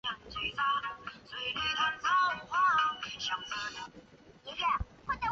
他决定以医疗勤务的名义计画前往台湾。